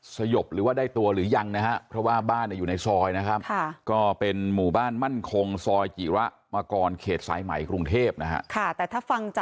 สยบหรือว่าได้ตัวหรือยัง